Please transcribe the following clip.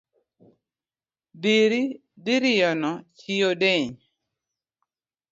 Dhiri dhirinyono chi odeny